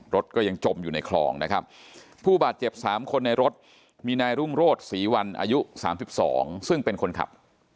รถก็ยังจมอยู่ในคลองนะครับผู้บาดเจ็บ๓คนในรถมีนายรุ่งโรศศรีวันอายุ๓๒ซึ่งเป็นคนขับ